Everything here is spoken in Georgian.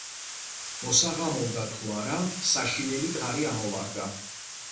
მოსაღამოვდა თუ არა საშინელი ქარი ამოვარდა.